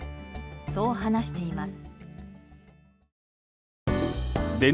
そう話しています。